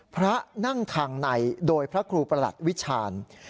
พระนั่งทางในโดยพระครูประหลัดวิชาญ